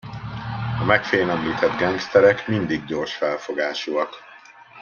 A megfélemlített gengszterek mindig gyors felfogásúak.